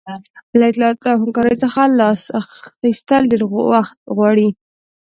له اطاعت او همکارۍ څخه لاس اخیستل ډیر وخت غواړي.